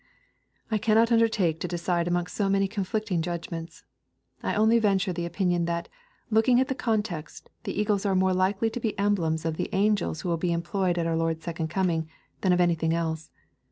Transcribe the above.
I cannot undertake to decide amidst so many conflicting judg ments, I only venture the opinion that, looking at the context^ the eagles are more likely to be emblems of the angels who will be employed at our Lord's second coming, than of anything else.